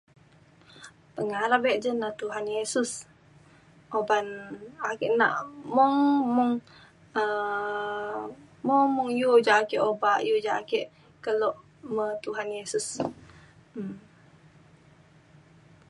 Pengarap me' jah ya tuhan yesus uban ake na' mung mung um mung mung yew ja ake uba' ja ake kelo me tuhan yesus.